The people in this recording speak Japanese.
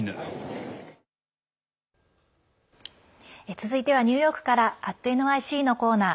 続いてはニューヨークから「＠ｎｙｃ」のコーナー。